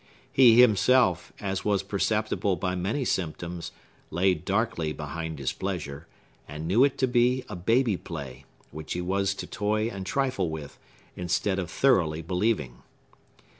He himself, as was perceptible by many symptoms, lay darkly behind his pleasure, and knew it to be a baby play, which he was to toy and trifle with, instead of thoroughly believing.